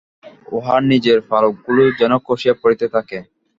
উহার নিজের পালকগুলি যেন খসিয়া পড়িতে থাকে।